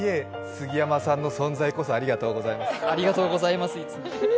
杉山さんの存在こそありがとうございます。